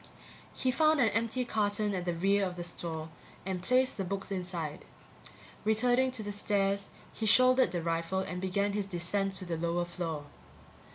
He found an empty carton at the rear of the store and placed the books inside. Returning to the stairs, he shouldered the rifle and began his descent to the lower floor.